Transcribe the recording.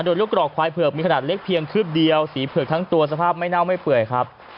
โดยลูกกรอกควายเผือกมีขนาดเล็กเพียงคืบเดียวสีเผือกทั้งตัวสภาพไม่เน่าไม่เปื่อยครับ